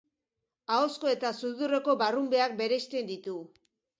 Ahozko eta sudurreko barrunbeak bereizten ditu.